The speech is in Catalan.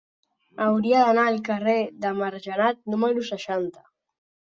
Hauria d'anar al carrer de Margenat número seixanta.